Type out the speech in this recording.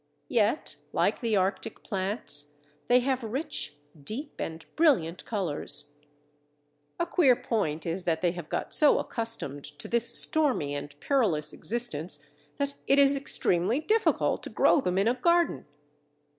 Yet, like the Arctic plants, they have rich, deep, and brilliant colours. A queer point is that they have got so accustomed to this stormy and perilous existence that it is extremely difficult to grow them in a garden.